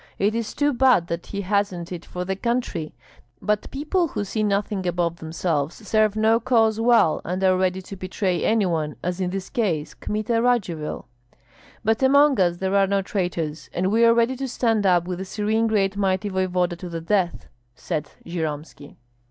It is too bad that he hasn't it for the country. But people who see nothing above themselves, serve no cause well and are ready to betray any one, as in this case Kmita Radzivill." "But among us there are no traitors, and we are ready to stand up with the serene great mighty voevoda to the death!" said Jyromski.